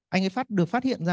anh ấy được phát hiện ra